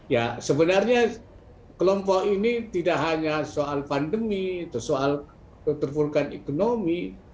ya sebenarnya kelompok ini tidak hanya soal pandemi atau soal keterpurukan ekonomi